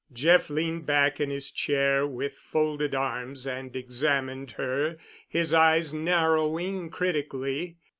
Jeff leaned back in his chair with folded arms and examined her—his eyes narrowing critically.